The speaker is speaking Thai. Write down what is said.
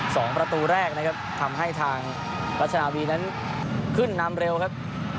สองประตูแรกนะครับทำให้ทางรัชนาวีนั้นขึ้นนำเร็วครับ